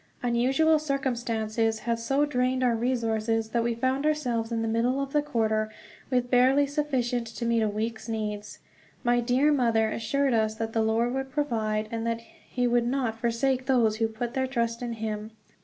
Unusual circumstances had so drained our resources that we found ourselves, in the middle of the quarter, with barely sufficient to meet a week's needs. My dear mother assured us that the Lord would provide; that he would not forsake those who put their trust in him.